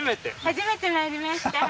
初めて参りました。